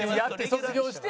卒業して。